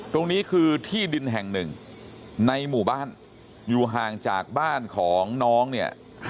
ตรงนี้คือที่ดินแห่งหนึ่งในหมู่บ้านอยู่ห่างจากบ้านของน้องเนี่ย